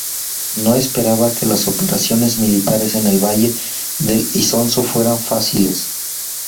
No esperaba que las operaciones militares en el valle del Isonzo fueran fáciles.